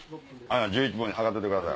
１１分測ってください